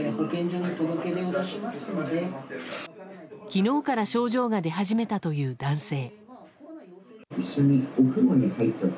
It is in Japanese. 昨日から症状が出始めたという男性。